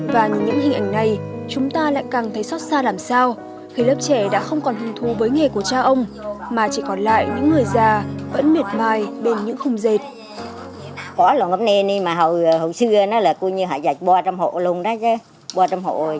và những hình ảnh này chúng ta lại càng thấy xót xa làm sao khi lớp trẻ đã không còn hứng thú với nghề của cha ông mà chỉ còn lại những người già vẫn miệt mai bên những khung dệt